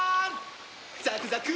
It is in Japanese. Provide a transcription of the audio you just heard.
ザクザク！